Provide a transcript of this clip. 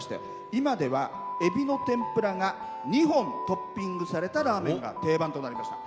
今では、えびの天ぷらが２本トッピングされたラーメンが定番となりました。